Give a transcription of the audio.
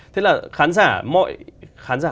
thế là khán giả mọi khán giả